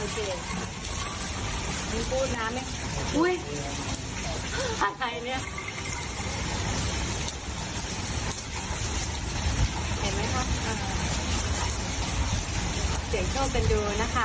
เสียงโชคกันดูนะคะ